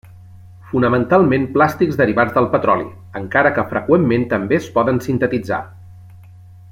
Fonamentalment plàstics derivats del petroli, encara que freqüentment també es poden sintetitzar.